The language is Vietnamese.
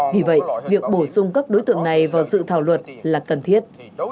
vì vậy việc bổ sung các đối tượng này vào sự thảo luận là cần thiết